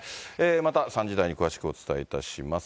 また３時台に詳しくお伝えいたします。